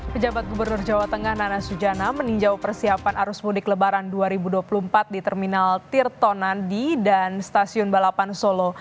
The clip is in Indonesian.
pejabat gubernur jawa tengah nana sujana meninjau persiapan arus mudik lebaran dua ribu dua puluh empat di terminal tirtonandi dan stasiun balapan solo